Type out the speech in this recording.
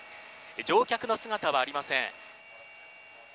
乗客の姿はありません。